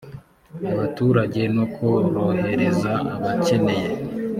abaturage no korohereza abakeneye